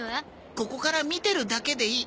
ここから見てるだけでいい。